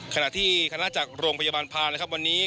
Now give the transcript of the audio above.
ขณะที่คณะจากโรงพยาบาลพานะครับวันนี้